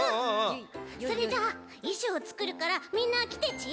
それじゃあいしょうつくるからみんなきてち。